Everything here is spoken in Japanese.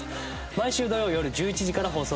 毎週土曜よる１１時から放送中です。